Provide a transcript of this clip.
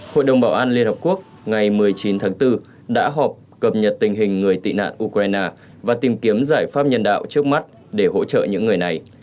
hội đồng bảo an liên hợp quốc ngày một mươi chín tháng bốn đã họp cập nhật tình hình người tị nạn ukraine và tìm kiếm giải pháp nhân đạo trước mắt để hỗ trợ những người này